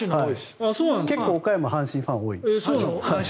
結構阪神ファン多いです。